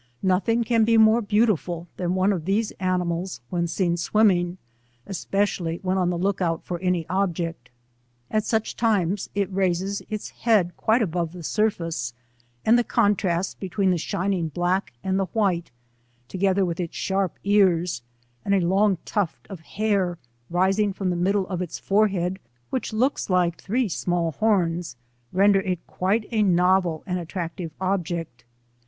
Nothing can be more beaatiful than one of these animals when seen swimming, especially when on the look out for any object. At such times it raises its head quite abov« 81 the surface, and the contrast between the shining black and the white, together with its sharp ears and a long tuft of hair rising from the middle of its forehead, which looks like three small horns, ren der it quite a novel and attractive object.